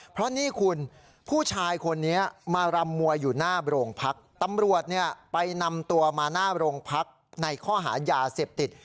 เพราะนี่คุณผู้ชายคนนี้มารำมัวอยู่หน้าโรงพักตำรวจเนี่ยไปนำตัวมาหน้าโรงพักในข้อหายาเสพติด